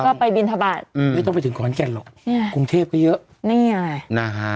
ก็ไปบินทบาทอืมไม่ต้องไปถึงขอนแก่นหรอกอืมกรุงเทพก็เยอะนี่ไงนะฮะ